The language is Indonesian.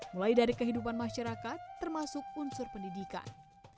mulai dari kehidupan masyarakat termasuk unsur pendidikan